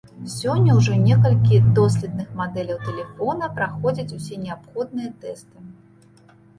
Сёння ўжо некалькі доследных мадэляў тэлефона праходзяць усе неабходныя тэсты.